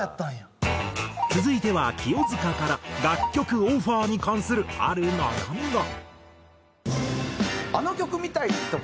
続いては清塚から楽曲オファーに関するある悩みが。